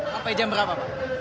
sampai jam berapa pak